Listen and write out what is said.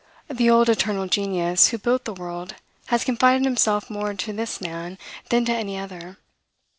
The old Eternal Genius who built the world has confided himself more to this man than to any other.